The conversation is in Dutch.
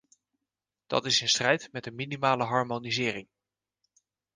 Dat is in strijd met een minimale harmonisering.